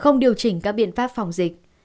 không điều chỉnh các biện pháp phòng dịch